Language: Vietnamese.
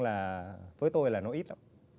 là với tôi là nó ít lắm